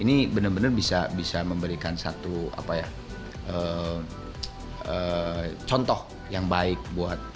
ini benar benar bisa memberikan satu contoh yang baik buat